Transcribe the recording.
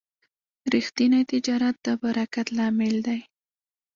ریښتینی تجارت د برکت لامل دی.